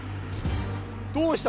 どうした？